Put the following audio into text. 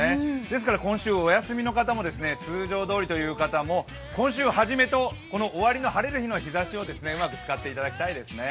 ですから今週お休みの方も通常どおりという方も、今週初めと終わりの晴れる日の日ざしをうまく使っていただきたいですね。